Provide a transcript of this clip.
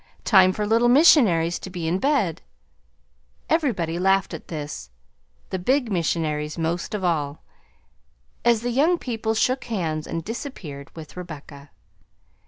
time for little missionaries to be in bed!" Everybody laughed at this, the big missionaries most of all, as the young people shook hands and disappeared with Rebecca.